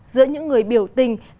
giữa những người biểu diễn của quốc gia